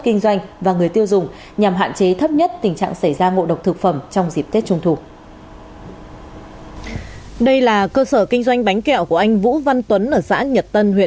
kinh doanh và người tiêu dùng nhằm hạn chế thấp nhất tình trạng xảy ra ngộ độc thực phẩm trong dịp tết trung thu